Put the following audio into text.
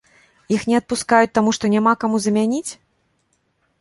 Іх не адпускаюць, таму што няма каму замяніць?